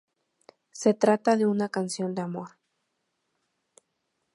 Se trata de una canción de amor.